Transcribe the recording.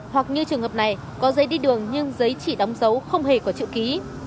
hoặc như trường hợp này có giấy đi đường nhưng giấy chỉ đóng dấu không hề có chữ ký